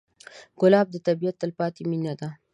ګلاب د طبیعت تلپاتې مینه ده.